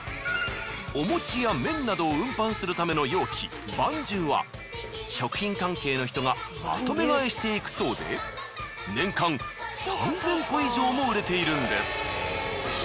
お餅や麺などを運搬するための容器ばんじゅうは食品関係の人がまとめ買いしていくそうで年間３，０００個以上も売れているんです。